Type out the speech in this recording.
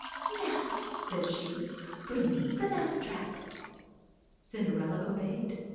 4 Now,' said she, * bring me the mouse trap.' Cinderella obeyed.